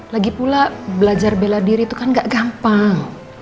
lagipula belajar bela diri itu kan nggak gampang